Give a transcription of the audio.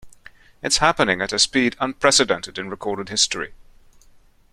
It's happening at a speed unprecedented in recorded history.